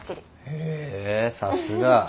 へえさすが。